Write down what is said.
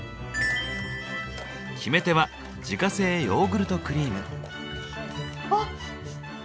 決め手は自家製ヨーグルトクリーム。